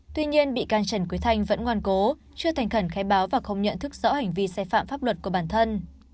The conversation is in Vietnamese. tuy nhiên bị can trần quý thanh vẫn ngoan cố chưa thành khẩn khai báo và không nhận thức rõ hành vi sai phạm pháp luật của bản thân